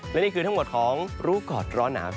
และนี่คือทั้งหมดของรู้ก่อนร้อนหนาว